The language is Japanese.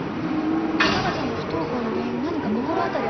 じゃ奈々さんの不登校の原因何か心当たりありますか？